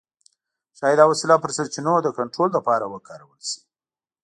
ښايي دا وسیله پر سرچینو د کنټرول لپاره وکارول شي.